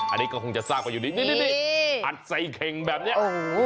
อันนี้ก็คงจะสร้างไปอยู่นี้นี่อัดใส่เข็งแบบเนี่ย